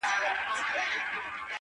زه به د وخت له کومي ستړي ريشا وژاړمه-